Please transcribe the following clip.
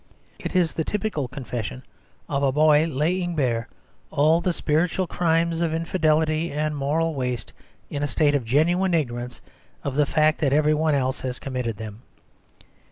It is the typical confession of a boy laying bare all the spiritual crimes of infidelity and moral waste, in a state of genuine ignorance of the fact that every one else has committed them.